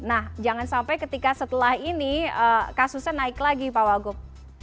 nah jangan sampai ketika setelah ini kasusnya naik lagi pak wagub